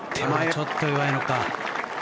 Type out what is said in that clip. ちょっと弱いのか。